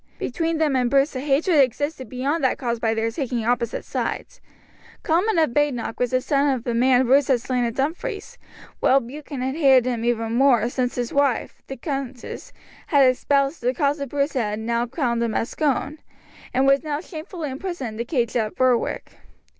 Between them and Bruce a hatred existed beyond that caused by their taking opposite sides. Comyn of Badenoch was the son of the man Bruce had slain at Dumfries, while Buchan hated him even more, since his wife, the countess, had espoused the cause of Bruce and had crowned him at Scone, and was now shamefully imprisoned in the cage at Berwick.